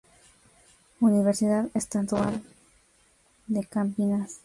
Universidad Estadual de Campinas.